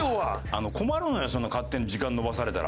あの困るのよ勝手に時間延ばされたら。